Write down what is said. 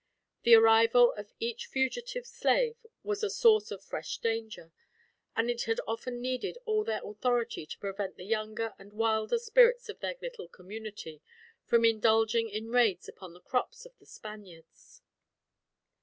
The arrival of each fugitive slave was a source of fresh danger, and it had often needed all their authority to prevent the younger, and wilder, spirits of their little community from indulging in raids upon the crops of the Spaniards.